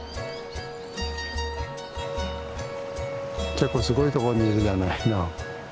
チェコすごいところにいるじゃないの。